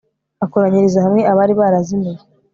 akoranyiriza hamwe abari barazimiye